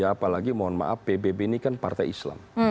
apalagi mohon maaf pbb ini kan partai islam